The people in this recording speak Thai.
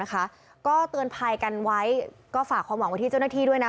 ก็เตือนภัยกันไว้ก็ฝากความหวังไว้ที่เจ้าหน้าที่ด้วยนะ